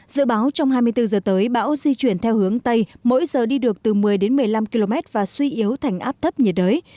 dự báo trong hai mươi bốn giờ tới bão di chuyển theo hướng tây mỗi giờ đi được từ một mươi đến một mươi năm km và suy yếu thành áp thấp nhiệt đới